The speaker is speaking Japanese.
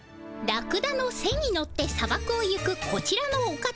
ラクダの背に乗って砂漠を行くこちらのお方。